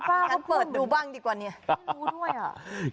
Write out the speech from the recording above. เออแล้วคุณป้าเขาเปิดดูบ้างดีกว่านี้